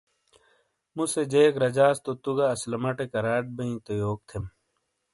موسے جیک رجاس تو تُو گہ اسلماٹے کراٹ بئیں تو یوک تھم